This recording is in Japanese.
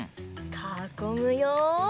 かこむよ。